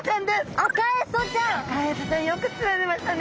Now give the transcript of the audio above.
アカエソちゃんよくつられましたね。